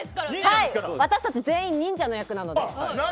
私たち全員忍者の役なので。